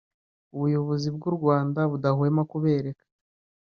ubuyobozi bw’u Rwanda budahwema kubereka